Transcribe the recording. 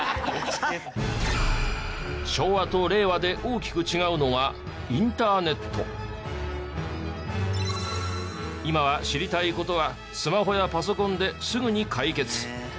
昭和と令和で大きく違うのが今は知りたい事はスマホやパソコンですぐに解決。